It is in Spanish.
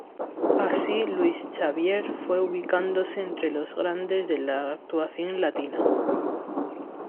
Así Luis Xavier fue ubicándose entre los grandes de la actuación latina.